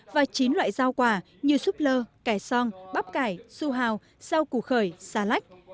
và chín loại rau quả như súp lơ kẻ song bắp cải su hào rau củ khởi xà lách